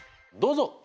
どうぞ！